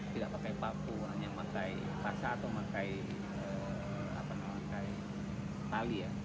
tidak pakai paku hanya pakai basah atau pakai tali ya